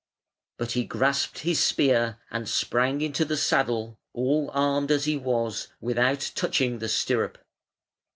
] But he grasped his spear and sprang into the saddle, all armed as he was, without touching the stirrup.